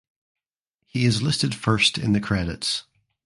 He is listed first in the credits.